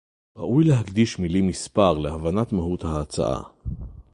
ראוי להקדיש מלים מספר להבנת מהות ההצעה